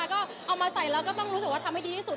ก็เอามาใส่แล้วก็ต้องรู้สึกว่าทำให้ดีที่สุด